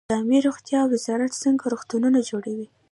عامې روغتیا وزارت څنګه روغتونونه جوړوي؟